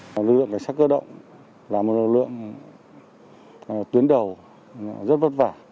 lực lượng đại sát cơ động là một lực lượng tuyến đầu rất vất vả